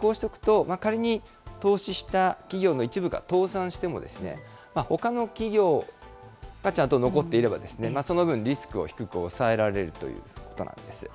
こうしておくと、仮に投資した企業の一部が倒産しても、ほかの企業がちゃんと残っていれば、その分、リスクを低く抑えられるということなんです。